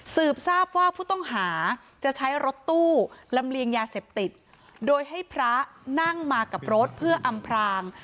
สืบทราบว่าผู้ต้องหาจะใช้รถตู้ลำเลียงยาเสพติดโดยให้พระนั่งมากับรถเพื่ออำพราง